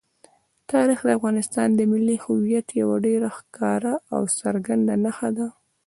تاریخ د افغانستان د ملي هویت یوه ډېره ښکاره او څرګنده نښه ده.